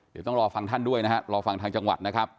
เดี๋ยวต้องรอฟังท่านด้วยนะฮะรอฟังทางจังหวัดนะครับ